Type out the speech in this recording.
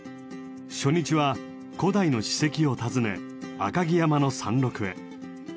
初日は古代の史跡を訪ね赤城山の山麓へ。